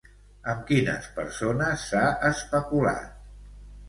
Amb quines persones s'ha especulat?